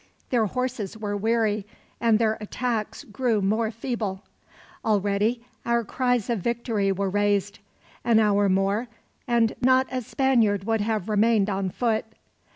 Their horses were weary, and their attacks grew more feeble. "Already, our cries of victory were raised. An hour more, and not a Spaniard would have remained on foot.